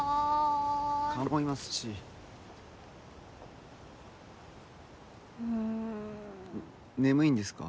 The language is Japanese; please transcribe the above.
蚊もいますしうん眠いんですか？